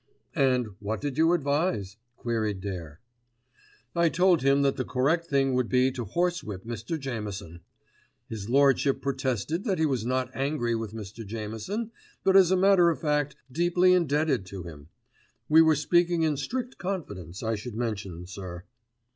"And what did you advise?" queried Dare. "I told him that the correct thing would be to horsewhip Mr. Jameson. His Lordship protested that he was not angry with Mr. Jameson, but as a matter of fact deeply indebted to him. We were speaking in strict confidence, I should mention, sir."